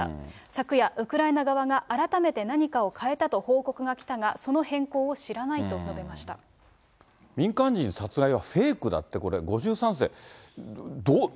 昨夜、ウクライナ側が改めて何かを変えたと報告が来たが、その変更を知民間人殺害はフェイクだって、これ、５３世、どう？